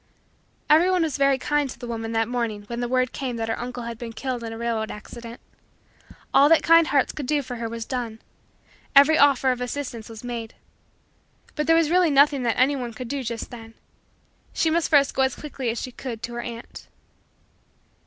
Everyone was very kind to the woman that morning when the word came that her uncle had been killed in a railroad accident. All that kind hearts could do for her was done. Every offer of assistance was made. But there was really nothing that anyone could do just then. She must first go as quickly as she could to her aunt.